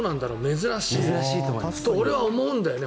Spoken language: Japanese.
珍しいと俺は思うんだよね。